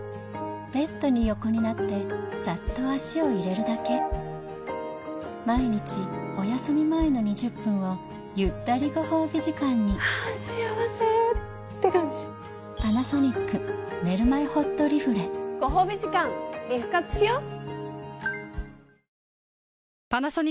ベッドに横になってさっと足を入れるだけ毎日おやすみ前の２０分をゆったりご褒美時間にはぁ幸せってかんじパナソニック『ねるまえほっとリフレ』ご褒美時間リフ活しよっ！